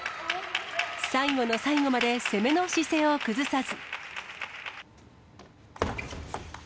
最後の最後まで攻めの姿勢を崩さず。